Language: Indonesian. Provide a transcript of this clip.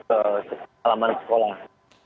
tersebut adalah halaman sekolah